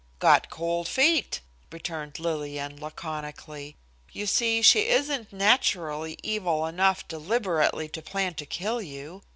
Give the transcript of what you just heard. "Got cold feet," returned Lillian, laconically. "You see she isn't naturally evil enough deliberately to plan to kill you.